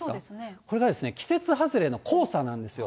これが季節外れの黄砂なんですよ。